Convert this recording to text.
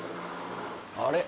あれ？